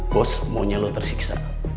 bos maunya lo tersiksa